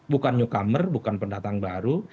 bukan newcomer bukan pendatang baru